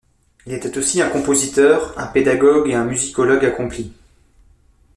Il était aussi un compositeur, un pédagogue et un musicologue accompli.